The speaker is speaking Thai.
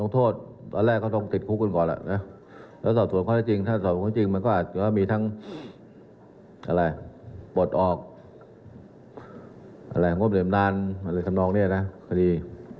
ที่สุดยอดร่องข้างโหงภูมิชาวภูมี